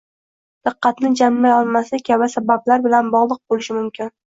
diqqatni jamlay olmaslik kabi sabablar bilan bog‘liq bo‘lishi ham mumkin.